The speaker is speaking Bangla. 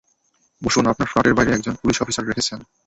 বসুন আপনার ফ্ল্যাটের বাইরে একজন পুলিশ অফিসার রেখেছেন।